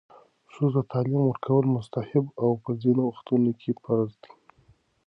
ښځو ته تعلیم ورکول مستحب او په ځینو وختونو کې فرض دی.